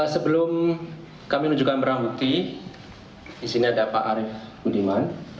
sebelum kami menunjukkan berang bukti di sini ada pak arief budiman